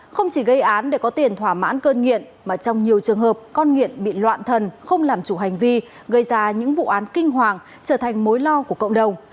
không chỉ gây án để có tiền thỏa mãn cơn nghiện mà trong nhiều trường hợp con nghiện bị loạn thần không làm chủ hành vi gây ra những vụ án kinh hoàng trở thành mối lo của cộng đồng